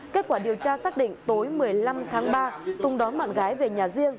kết quả điều tra xác định tối một mươi năm tháng ba tùng đón bạn gái về nhà riêng